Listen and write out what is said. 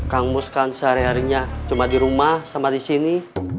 kamus kan sehari harinya cuma di rumah sama di sini